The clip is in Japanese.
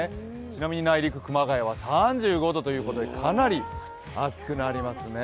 ちなみに内陸、熊谷は３５度ということでかなり暑くなりますね。